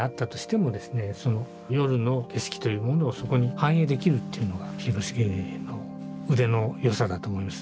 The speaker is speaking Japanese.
その夜の景色というものをそこに反映できるっていうのが広重の腕のよさだと思います。